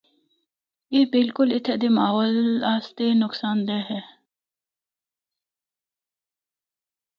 اے بالکل اِتھّا دے ماحول آسطے نقصان دہ ہن۔